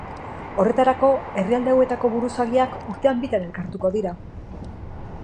Horretarako, herrialde hauetako buruzagiak, urtean bitan elkartuko dira.